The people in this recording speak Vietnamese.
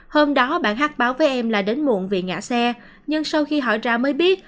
hôm đó bạn hắt báo với em là đến muộn vì ngã xe nhưng sau khi hỏi ra mới biết